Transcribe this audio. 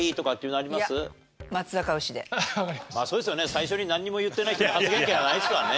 最初になんにも言ってない人に発言権はないっすわね。